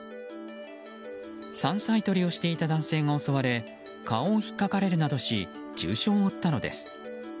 山菜採りをしていた男性が襲われ顔をひっかかれるなどし重傷を負ったのです。